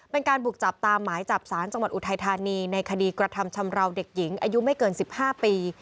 เป็นการบุกจับตามหมายจับสารจังหวัดอุทัยธานีในคดีกระทำชำราวเด็กหญิงอายุไม่เกิน๑๕ปี